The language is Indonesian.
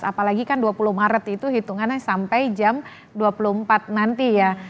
apalagi kan dua puluh maret itu hitungannya sampai jam dua puluh empat nanti ya